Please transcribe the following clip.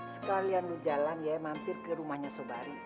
sekalian di jalan ya mampir ke rumahnya sobari